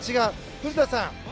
古田さん